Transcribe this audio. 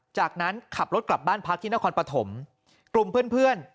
จากนั้นขับรถกลับบ้านพักที่นครปฐมกลุ่มเพื่อน